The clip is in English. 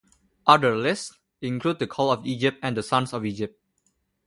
Other lists include the Call of Egypt and the Sons of Egypt.